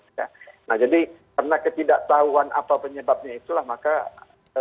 nah jadi karena ketidaktahuan apa penyebabnya itulah maka